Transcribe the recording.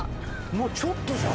もうちょっとじゃん。